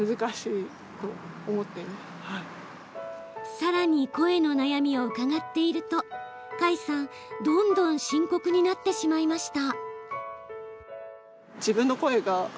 さらに声の悩みを伺っていると花衣さん、どんどん深刻になってしまいました。